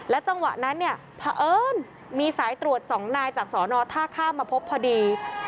และจังหวะนั้นพระเอิญมีสายตรวจ๒นายจากสนท่าข้ามมาพบพอดี